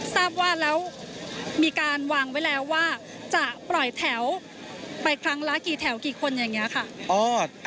ทราบว่าแล้วมีการวางไว้แล้วว่าจะปล่อยแถวไปครั้งละกี่แถวกี่คนอย่างนี้ค่ะ